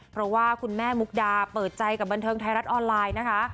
เพราะว่าคุณแม่มุกดาเปิดใจกับบันเทิงไทยรัฐออนไลน์นะคะ